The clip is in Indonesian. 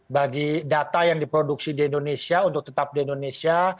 bagi data yang diproduksi di indonesia untuk tetap di indonesia